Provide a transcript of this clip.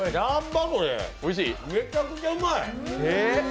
めちゃくちゃうまい。